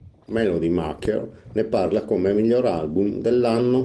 Melody Maker ne parla come "miglior album dell'anno".